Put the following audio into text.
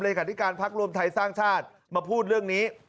ที่การพักรวมไทยสร้างชาติมาพูดเรื่องนี้